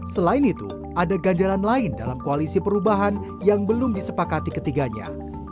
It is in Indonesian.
selain itu ada ganjalan lain dalam koalisi perubahan yang belum disepakati ketiganya